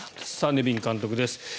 ネビン監督です。